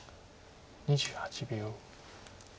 ２８秒。